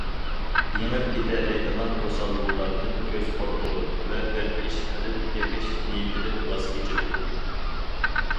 يېڭىپ كېتەلەيدىغان توسالغۇلاردىن كۆزى قورقىدۇ ۋە بىر ئىش قىلىپ بېقىش نىيىتىدىن ۋاز كېچىدۇ.